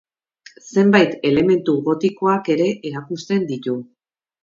Zenbait elementu gotikoak ere erakusten ditu.